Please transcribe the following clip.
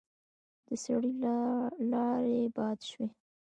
د سړي لاړې باد شوې.